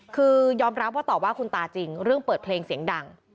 คือยอมรับว่าตอบว่าคุณตาจริงเรื่องเปิดเพลงเสียงดัง